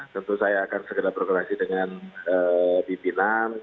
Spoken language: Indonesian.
tentu saya akan segera berkongsi dengan bipinan